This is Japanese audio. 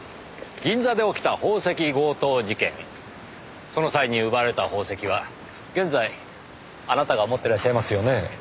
銀座で起きた宝石強盗事件その際に奪われた宝石は現在あなたが持ってらっしゃいますよねぇ。